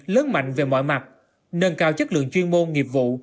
lớn mạnh về mọi mặt nâng cao chất lượng chuyên môn nghiệp vụ